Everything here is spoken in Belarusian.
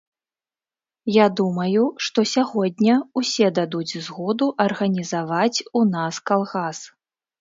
Я думаю, што сягоння ўсе дадуць згоду арганізаваць у нас калгас.